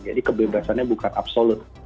jadi kebebasannya bukan absolut